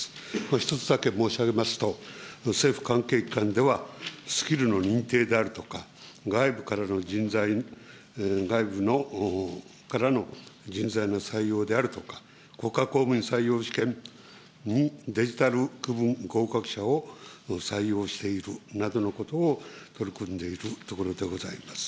１つだけ申し上げますと、政府関係機関ではスキルの認定であるとか、外部からの人材の採用であるとか、国家公務員採用試験にデジタル区分合格者を採用しているなどのことを、取り組んでいるところでございます。